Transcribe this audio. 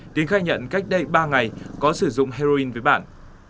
tín khai nhận cách đây ba ngày có sử dụng heroin với bạn